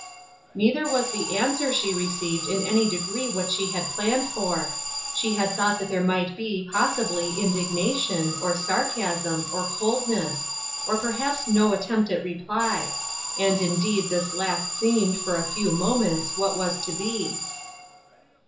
Neither was the answer she received in any degree what she had planned for. She had thought that there might be, possibly, indignation, or sar casm, or coldness ; or perhaps no attempt at reply ; and indeed this last seemed, for a few moments, what was to be.